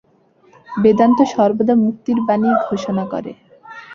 বেদান্ত সর্বদা মুক্তির বাণীই ঘোষণা করে।